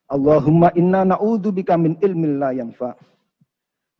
allahumma inna na'udhu bikamin ilmillah yang fa'f